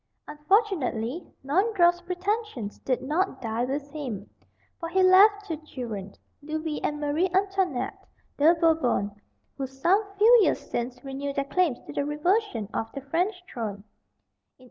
Unfortunately Naundorff's pretensions did not die with him, for he left two children, Louis and Marie Antoinette "de Bourbon," who some few years since renewed their claims to the reversion of the French throne.